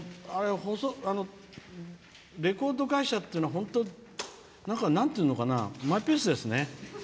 レコード会社っていうのは本当、マイペースですね。